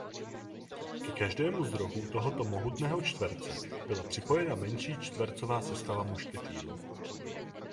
Ke každému z rohů tohoto mohutného čtverce byla připojena menší čtvercová sestava mušketýrů.